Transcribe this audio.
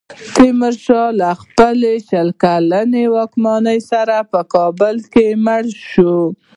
تیمورشاه له خپلې شل کلنې واکمنۍ وروسته په کابل کې مړ شو.